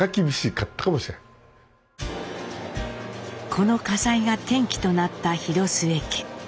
この火災が転機となった広末家。